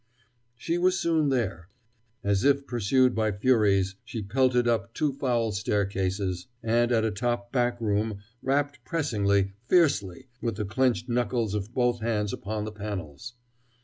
She was soon there. As if pursued by furies she pelted up two foul staircases, and at a top back room, rapped pressingly, fiercely, with the clenched knuckles of both hands upon the panels.